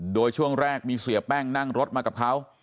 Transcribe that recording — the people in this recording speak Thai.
โดยช่วงแรกมีเสียแป้งนั่งรถมากับเขา